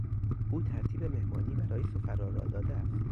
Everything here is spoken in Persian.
او ترتیب مهمانی برای سفرا را داده است.